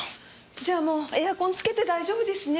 じゃあもうエアコンつけて大丈夫ですね。